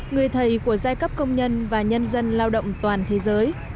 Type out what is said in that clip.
người thầy của giai cấp công nhân và nhân dân lao động toàn thế giới